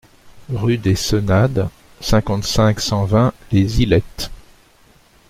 Rue des Senades, cinquante-cinq, cent vingt Les Islettes